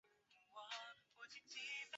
已被定为第二批上海市优秀历史建筑。